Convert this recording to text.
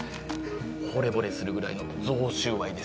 ほれぼれするぐらいの贈収賄です。